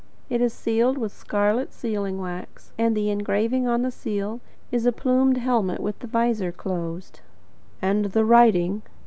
It is sealed with scarlet sealing wax, and the engraving on the seal is a plumed helmet with the visor closed." "And the writing?"